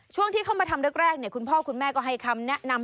ช่วงที่เข้ามาทำแรกคุณพ่อคุณแม่ก็ให้คำแนะนำ